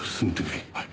はい。